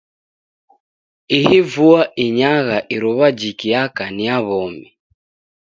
Ihi vua inyagha iruwa jikiaka ni ya w'omi.